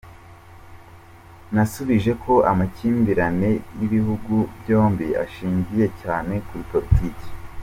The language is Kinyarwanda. Nasubije ko amakimbirane y’ibihugu byombi ashingiye cyane kuri politiki.